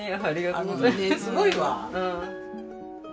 すごいわ。